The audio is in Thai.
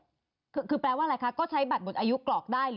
คือแปลว่าอะไรคะก็ใช้บัตรหมดอายุกรอกได้